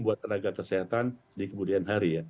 buat tenaga kesehatan di kemudian hari ya